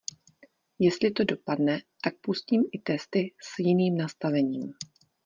Jestli to dopadne, tak pustím i testy s jiným nastavením.